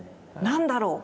何だろう。